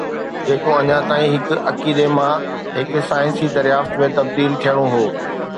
جيڪو اڃا تائين هڪ عقيدي مان هڪ سائنسي دريافت ۾ تبديل ٿيڻو هو.